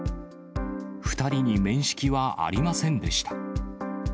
２人に面識はありませんでした。